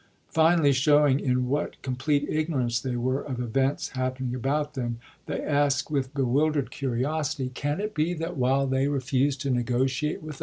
Finally, showing in what com plete ignorance they were of events happening about them, they ask with bewildered curiosity, Mar.12,1861. THE EEBEL GAME 403 " Can it be that while they refuse to negotiate with ch.